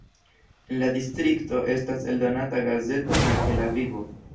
En la distrikto estas eldonata gazeto "La Hela vivo".